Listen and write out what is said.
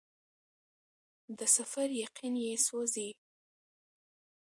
د سفر یقین یې سوزي